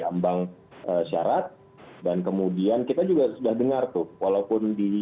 ambang syarat dan kemudian kita juga sudah dengar tuh walaupun di